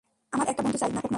আমার একটা বন্ধু চাই, নাটক নয়।